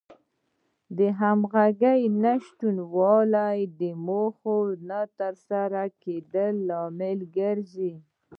د همغږۍ نشتوالی د موخو نه تر سره کېدلو لامل ګرځي.